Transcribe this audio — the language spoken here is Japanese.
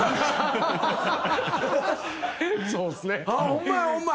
ホンマやホンマ。